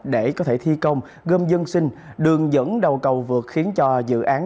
để có thể thi công gơm dân sinh đường dẫn đầu cầu vượt khiến cho dự án